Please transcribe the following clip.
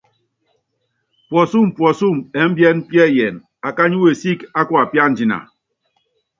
Puɔ́súm puɔ́súm ɛ́mbiɛ́n piɛ́yɛn, akány wesík á kuapíándina.